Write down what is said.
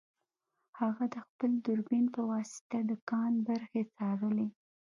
هغه د خپل دوربین په واسطه د کان برخې څارلې